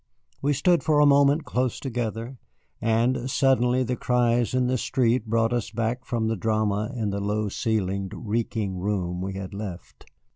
We stood for a moment close together, and suddenly the cries in the street brought us back from the drama in the low ceiled, reeking room we had left.